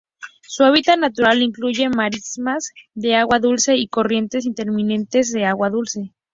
Su hábitat natural incluye marismas de agua dulce y corrientes intermitentes de agua dulce.